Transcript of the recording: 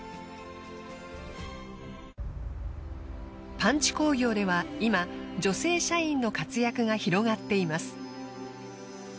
パンチ工業では今女性社員の活躍が広がっています。